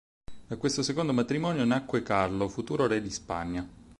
Da questo secondo matrimonio nacque Carlo, futuro re di Spagna.